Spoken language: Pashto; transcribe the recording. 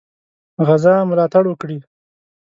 غزا ملاتړ وکړي.